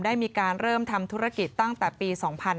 ได้มีการเริ่มทำธุรกิจตั้งแต่ปี๒๕๕๙